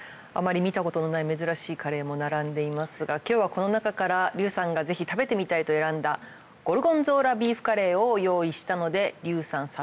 あまり見たことのない珍しいカレーも並んでいますが今日はこの中から龍さんがぜひ食べてみたいと選んだゴルゴンゾーラビーフカレーを用意したので龍さん